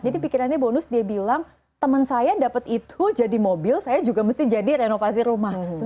jadi pikirannya bonus dia bilang teman saya dapat itu jadi mobil saya juga mesti jadi renovasi rumah